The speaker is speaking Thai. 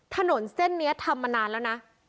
ถนนเส้นนี้ทำมานานแล้วนะ